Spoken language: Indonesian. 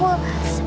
aduh kaki aku